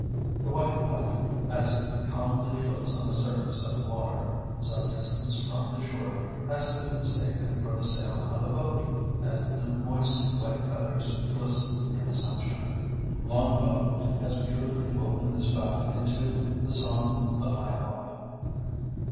The White Pelican as it calmly floats on the surface of the water, some distance from the shore, has been mistaken for the sail of a boat as the moist white feathers glisten in the sunshine. Longfellow has beautifully woven this fact into the "Song of Hiawatha."